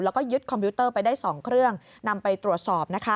แล้วก็ยึดคอมพิวเตอร์ไปได้๒เครื่องนำไปตรวจสอบนะคะ